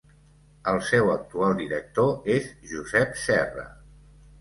El seu actual director és Josep Serra.